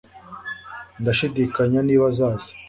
ndashidikanya niba azaza